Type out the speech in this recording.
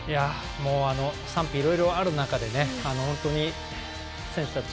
賛否両論ある中で本当に選手たち